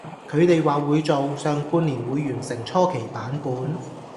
佢哋話會做，上半年會完成初期版本